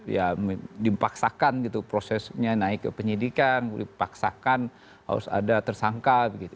ya dipaksakan gitu prosesnya naik ke penyidikan dipaksakan harus ada tersangka